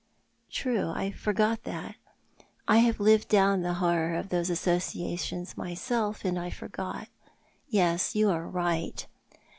" True. I forgot that. I have lived down the horror of those associations myself, and I forgot. Yes ; you are right."